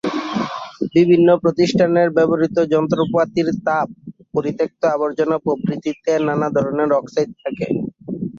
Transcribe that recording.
বিভিন্ন প্রতিষ্ঠানের ব্যবহৃত যন্ত্রপাতির তাপ, পরিত্যক্ত আবর্জনা প্রভৃতিতে নানা ধরণের অক্সাইড থাকে।